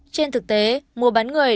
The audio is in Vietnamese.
trên thực tế mua bán người